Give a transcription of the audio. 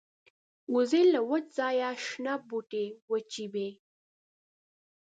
وزې له وچ ځایه شنه بوټي وچيبي